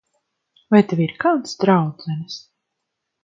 Vai tev ir kādas draudzenes?